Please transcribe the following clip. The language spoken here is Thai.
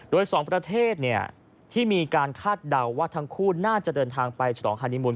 โดยสองประเทศที่มีการคาดเดาว่าทั้งคู่น่าจะเดินทางไปฉลองฮานีมูล